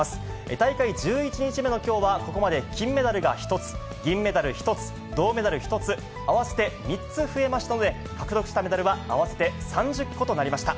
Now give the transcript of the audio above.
大会１１日目のきょうは、ここまで金メダルが１つ、銀メダル１つ、銅メダル１つ、合わせて３つ増えましたので、獲得したメダルは合わせて３０個となりました。